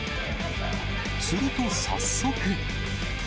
すると、早速。